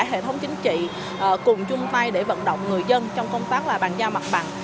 hệ thống chính trị cùng chung tay để vận động người dân trong công tác và bằng da mặt bằng